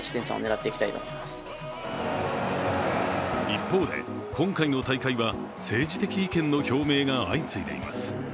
一方で、今回の大会は政治的意見の表明が相次いでいます。